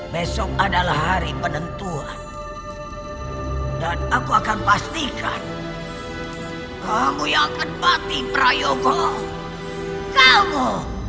besok adalah hari penentuan dan aku akan pastikan kamu yang kebati prayogo kamu